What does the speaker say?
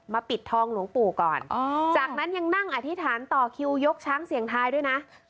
ปิดทองหลวงปู่ก่อนจากนั้นยังนั่งอธิษฐานต่อคิวยกช้างเสียงทายด้วยนะ